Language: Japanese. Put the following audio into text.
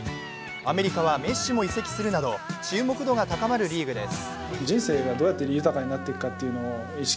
アメリカはメッシも移籍するなど注目度が高まるリーグです。